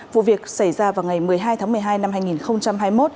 vụ việc xảy ra vào ngày một mươi hai tháng một mươi hai năm hai nghìn một mươi chín